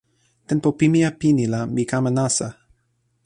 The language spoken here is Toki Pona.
tenpo pimeja pini la mi kama nasa.